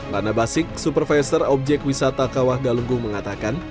lana basic supervisor objek wisata kawah galunggung mengatakan